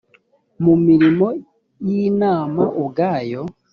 mu mirimo y inama ubwayo